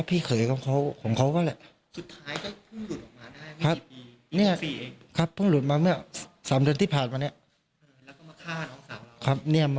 เพิ่งหลุดมาเมื่อ๓เดิมที่ผ่านมานี่